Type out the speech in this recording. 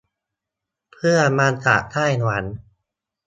เพื่อนมาจากไต้หวัน